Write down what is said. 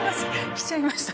来ちゃいました。